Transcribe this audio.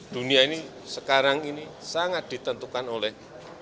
dunia ini sekarang ini sangat ditentukan oleh